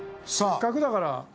せっかくだから。